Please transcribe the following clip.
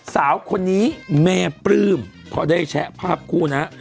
สาวคนนี้แม่ปลื้มพอได้แชะภาพคู่นะ